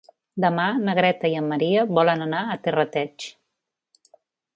Demà na Greta i en Maria volen anar a Terrateig.